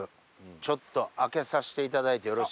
ちょっと開けさしていただいてよろしいですか。